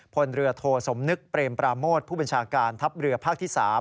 พลเรือโทสมนึกเปรมปราโมทผู้บัญชาการทัพเรือภาคที่๓